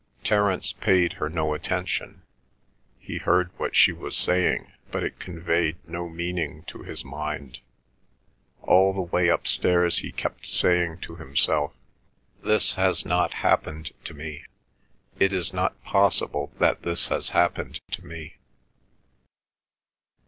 Terence paid her no attention; he heard what she was saying, but it conveyed no meaning to his mind. All the way upstairs he kept saying to himself, "This has not happened to me. It is not possible that this has happened to me."